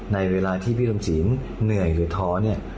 ในเวลาที่พี่รมสินเหนื่อยหรือท้อเนี่ย